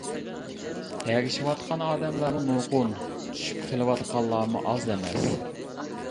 ئەگىشىۋاتقان ئادەملەرمۇ نۇرغۇن، چۈشۈپ قىلىۋاتقانلارمۇ ئاز ئەمەس.